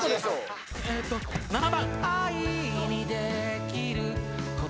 えーっと７番。